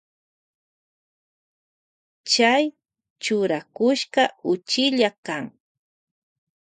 Chay churakushka uchilla kan.